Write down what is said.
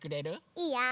いいよ。